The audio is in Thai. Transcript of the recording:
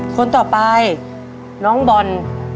คนต่อไปน้องบอล